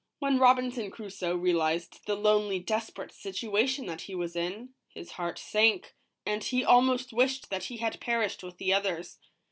When Robinson Crusoe realized the lonely, desperate situ ation that he was in, his heart sank, and he almost wished that he had perished with the others.